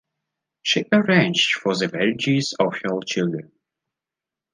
She arranged for the marriages of her children.